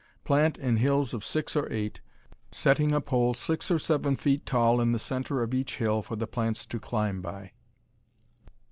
Plant in hills of six or eight, setting a pole six or seven feet tall in the center of each hill for the plants to climb by.